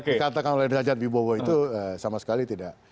dikatakan oleh derajat wibowo itu sama sekali tidak